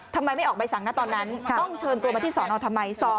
ทำไมไม่ออกใบสั่งนะตอนนั้นต้องเชิญตัวมาที่สอนอทำไม